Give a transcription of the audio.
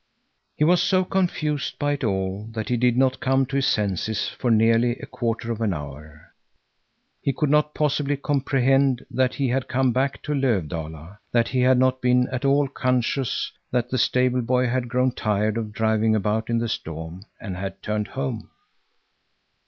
He was so confused by it all that he did not come to his senses for nearly a quarter of an hour. He could not possibly comprehend that he had come back to Löfdala. He had not been at all conscious that the stable boy had grown tired of driving about in the storm and had turned home.